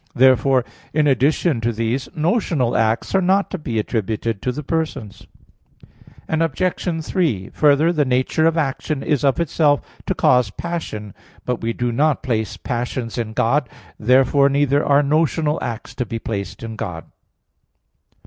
Therefore, in addition to these, notional acts are not to be attributed to the persons. Obj. 3: Further, the nature of action is of itself to cause passion. But we do not place passions in God. Therefore neither are notional acts to be placed in God.